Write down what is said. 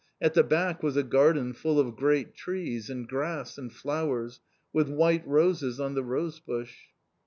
At the back was a garden, full of great trees, and grass, and flowers, with white roses on the rose bush.